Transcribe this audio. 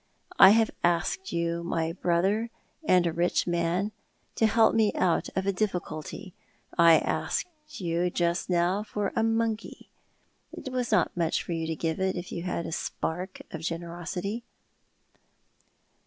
I have asked you, my brother, and a rich man, to help rae out of a difficulty. I asked you just now for a monkey. It was not much for you to give if you had a spark of generosity."